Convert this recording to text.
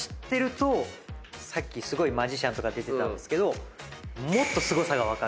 さっきすごいマジシャンとか出てたんですけど。